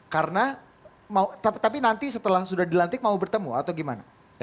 karena tapi nanti setelah sudah dilantik mau bertemu atau gimana